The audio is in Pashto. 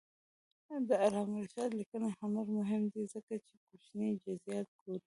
د علامه رشاد لیکنی هنر مهم دی ځکه چې کوچني جزئیات ګوري.